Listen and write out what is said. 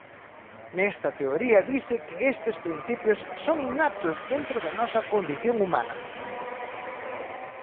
Nesta teoría dise que estes principios son innatos dentro da nosa condición humana.